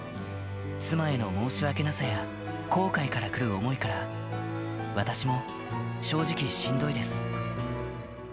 妻への申し訳なさや、後悔から来る思いから、私も正直、しんどいです。